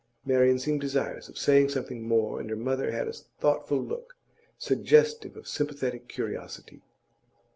Marian seemed desirous of saying something more, and her mother had a thoughtful look, suggestive of sympathetic curiosity.